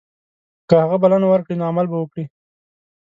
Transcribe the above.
که هغه بلنه ورکړي نو عمل به وکړي.